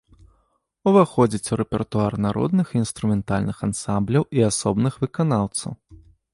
Уваходзіць у рэпертуар народных інструментальных ансамбляў і асобных выканаўцаў.